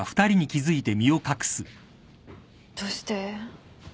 どうして？